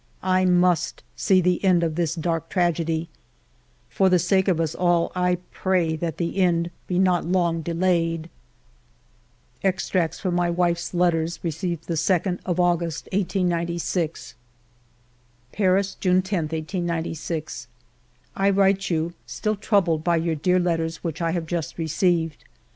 I must see the end of this dark tragedy. For the sake of all of us, I pray that the end be not long delayed. Extracts from my wife's letters received the 2d of August, 1896: —'' Paris, June 10, 1896. " I write you, still troubled by your dear let ters which I have just received.